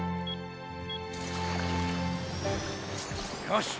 よし！